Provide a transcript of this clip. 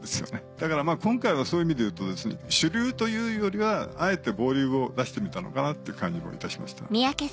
だから今回はそういう意味でいうと主流というよりはあえて傍流を出してみたのかなって感じもいたしました。